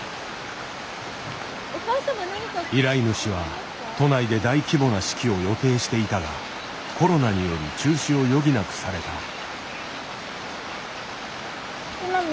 依頼主は都内で大規模な式を予定していたがコロナにより中止を余儀なくされた。